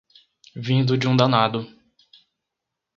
Vindo de um danado.